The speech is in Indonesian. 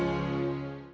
saya kanjeng tumenggung